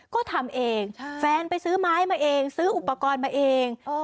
ก็ทำเองแฟนไปซื้อไม้มาเองซื้ออุปกรณ์มาเอง